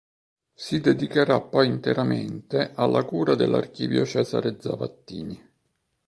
Si dedicherà poi interamente alla cura dell'Archivio Cesare Zavattini.